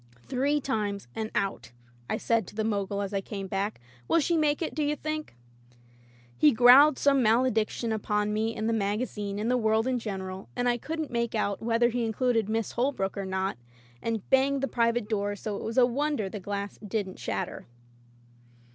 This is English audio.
"Three times, and out,'* I said to the Mogul as I came back. "Will she make it, do you think?" He growled some malediction upon me and the magazine and the world in general — I couldn't make out whether he included Miss Holbrook or not — and banged the "Private" door so ijt was a wonder the glass didn't shatter.